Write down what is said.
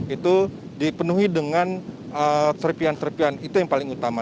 itu dipenuhi dengan serpian serpian itu yang paling utama